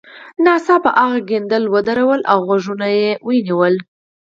ناڅاپه هغه کیندل ودرول او غوږونه یې ونیول